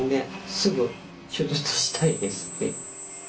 すぐ手術したいですって。